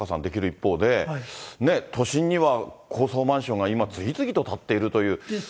こういう所が、たくさん、タカさん、できる一方で、都心には、高層マンションが今、次々と建っているという。